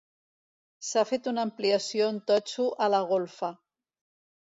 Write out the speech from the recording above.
S'ha fet una ampliació en totxo a la golfa.